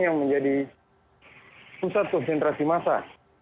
yang menjadi pusat konsentrasi massa